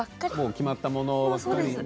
決まったものばかりね。